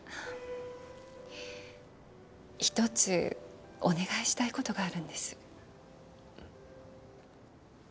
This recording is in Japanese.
一つお願いしたいことがあるんです